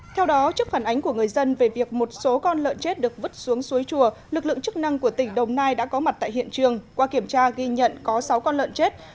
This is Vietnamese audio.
theo đó trước phản ánh của người dân về việc một số con lợn chết được vứt xuống suối chùa lực lượng chức năng của tỉnh đồng nai đã có mặt tại hiện trường qua kiểm tra ghi nhận có sáu con lợn chết